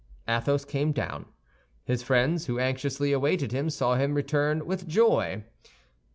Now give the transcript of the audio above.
Athos came down; his friends, who anxiously awaited him, saw him returned with joy.